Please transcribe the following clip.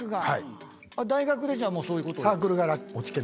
大学でじゃあもうそういうことを。